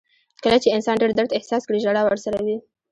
• کله چې انسان ډېر درد احساس کړي، ژړا ورسره وي.